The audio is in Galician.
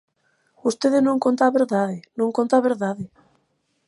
Vostede non conta a verdade, non conta a verdade.